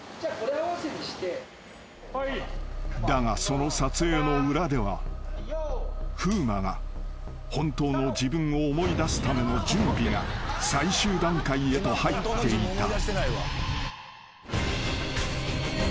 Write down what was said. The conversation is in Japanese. ［だがその撮影の裏では風磨が本当の自分を思い出すための準備が最終段階へと入っていた］